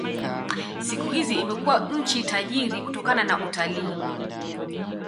Siku hizi imekuwa nchi tajiri kutokana na utalii.